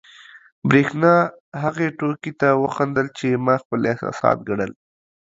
برېښنا هغې ټوکې ته وخندل، چې ما خپل احساسات ګڼل.